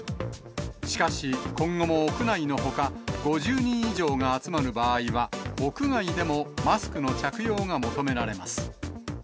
しかし、今後も屋内のほか、５０人以上が集まる場合は、屋外でもマスクの着用が求められます。